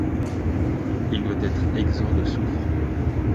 Il doit être exempt de soufre.